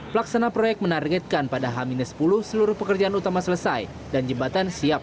pelaksana proyek menargetkan pada h sepuluh seluruh pekerjaan utama selesai dan jembatan siap